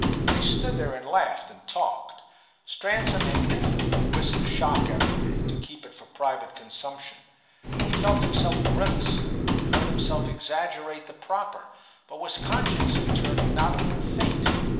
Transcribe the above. They stood there and laughed and talked; Stransom had instantly whisked the shock out of the way, to keep it for private consumption. He felt himself grimace, he heard himself exaggerate the proper, but was conscious of turning not a little faint.